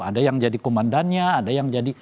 ada yang jadi komandannya ada yang jadi